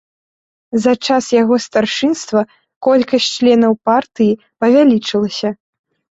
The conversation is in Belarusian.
За час яго старшынства колькасць членаў партыі павялічылася.